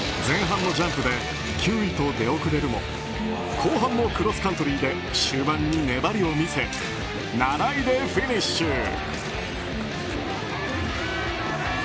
前半のジャンプで９位と出遅れるも後半のクロスカントリーで終盤に粘りを見せ７位でフィニッシュ。